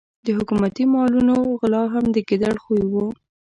د حکومتي مالونو غلا هم د ګیدړ خوی وو.